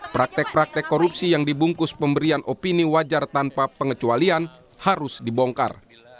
praktek praktek korupsi yang dibungkus pemberian opini wajar tanpa pengecualian harus dibongkar